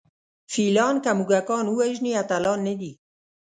فیلان که موږکان ووژني اتلان نه دي.